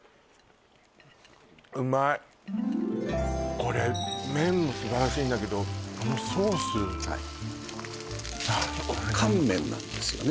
これ麺も素晴らしいんだけどこのソースはい乾麺なんですよね